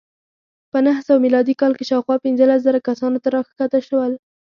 په نهه سوه میلادي کال کې شاوخوا پنځلس زره کسانو ته راښکته شول